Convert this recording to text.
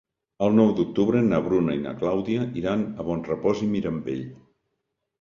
El nou d'octubre na Bruna i na Clàudia iran a Bonrepòs i Mirambell.